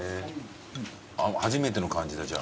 初めての感じだじゃあ。